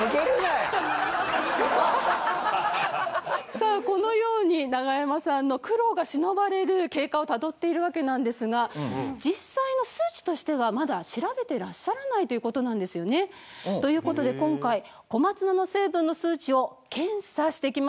さあこのようにナガヤマさんの苦労が忍ばれる経過をたどっているわけなんですが実際の数値としてはまだ調べてらっしゃらないという事なんですよね。という事で今回小松菜の成分の数値を検査してきました。